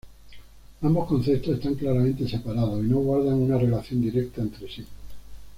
Ambos conceptos están claramente separados y no guardan una relación directa entre sí.